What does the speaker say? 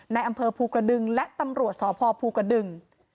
ในอำเภอภูกระดึงและตำรวจสพภูกระดึง